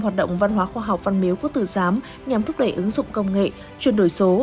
hoạt động văn hóa khoa học văn miếu quốc tử giám nhằm thúc đẩy ứng dụng công nghệ chuyển đổi số